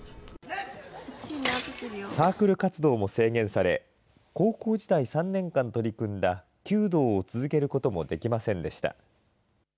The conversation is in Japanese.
サークル活動も制限され、高校時代３年間取り組んだ弓道を続けることもできませんでした。